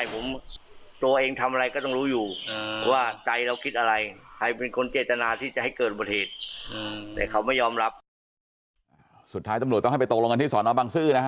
เพราะว่าใจเราคิดอะไรใครเป็นคนเจตนาที่จะให้เกิดประเหตุหืมแต่เขาไม่ยอมรับ